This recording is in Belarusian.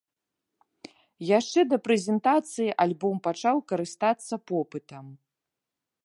Яшчэ да прэзентацыі альбом пачаў карыстацца попытам.